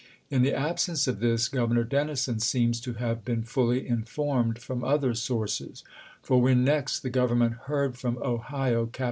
In the absence of this. Governor Dennison seems to have been fully informed from other sources ; for when next the Government heard from Ohio, Cap MCCLELLAN AND GRANT 285 Chap. XVI.